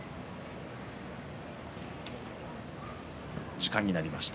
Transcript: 時間になりました。